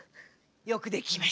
よくできました。